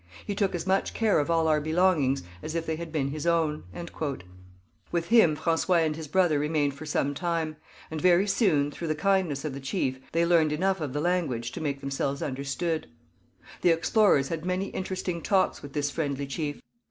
He took as much care of all our belongings as if they had been his own.' With him François and his brother remained for some time; and, very soon, through the kindness of the chief, they learnt enough of the language to make themselves understood. The explorers had many interesting talks with this friendly chief.